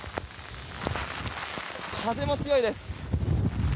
風も強いです。